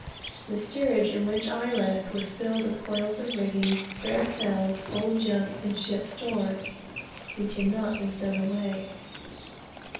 The steerage in which I lived was filled with coils of rigging, spare sails, old junk and ship stores, which had not been stowed away.